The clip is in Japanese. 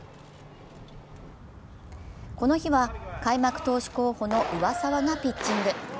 この日は開幕投手候補の上沢がピッチング。